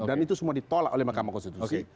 dan itu semua ditolak oleh makamah konstitusi